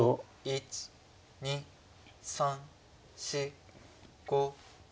１２３４５６。